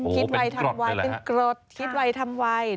คิดไว้ทำไว้เป็นกรดคิดไว้ทำไว้